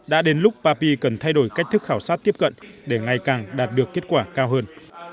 đã đến lúc papi cần thay đổi cách thức khảo sát tiếp cận để ngày càng đạt được kết quả cao hơn